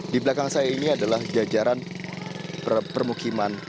di belakang saya ini adalah jajaran permukiman